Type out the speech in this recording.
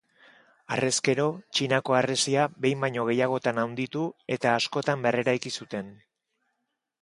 Harrezkero, Txinako harresia behin baino gehiagotan handitu eta askotan berreraiki zuten.